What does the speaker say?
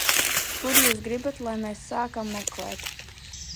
Kur jūs gribat, lai mēs sākam meklēt?